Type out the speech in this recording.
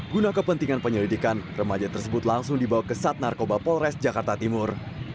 guna kepentingan penyelidikan remaja tersebut langsung dibawa ke sat narkoba polres jakarta timur